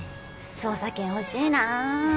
捜査権欲しいな。